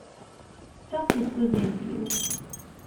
Ffeɣ si tkuzint-iw!